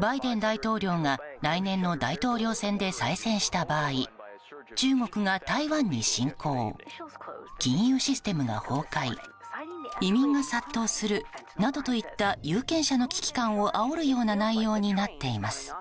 バイデン大統領が来年の大統領選で再選した場合中国が台湾に侵攻金融システムが崩壊移民が殺到するなどといった有権者の危機感をあおるような内容になっています。